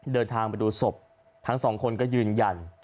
เดินทางไปดูศพทั้งสองคนก็ยืนยัน